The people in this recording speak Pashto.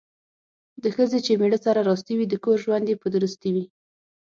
د ښځې چې میړه سره راستي وي، د کور ژوند یې په درستي وي.